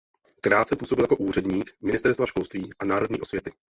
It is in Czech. Krátce působil jako úředník "Ministerstva školství a národní osvěty".